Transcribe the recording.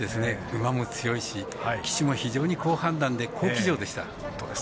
馬も強いし騎手も非常に好判断で好騎乗でした。